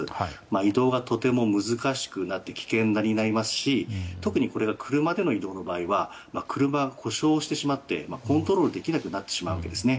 移動がとても難しくなって危険になりますし特に、これが車での移動の場合は車が故障してしまってコントロールできなくなってしまうわけですね。